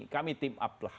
kami team up lah